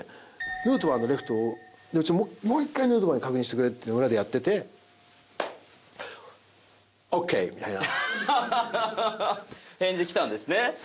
ヌートバーがレフトをもう１回ヌートバーに確認してくれって裏でやっててＯＫ！みたいな。